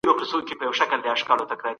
هغه اوس کوډ ليکي او ازموينه کوي.